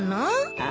ああ。